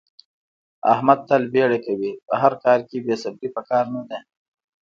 احمد تل بیړه کوي. په هر کار کې بې صبرې په کار نه ده.